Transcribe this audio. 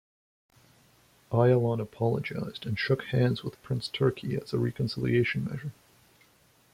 Ayalon apologized and shook hands with Prince Turki as a reconciliation measure.